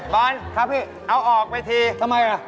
บอลครับพี่เอาออกไปทีทำไมล่ะ